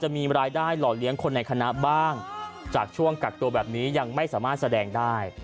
มีรายได้หล่อเลี้ยงคนในคณะบ้างจากช่วงกักตัวแบบนี้ยังไม่สามารถแสดงได้